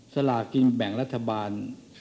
สลากินแบ่งรัฐบาล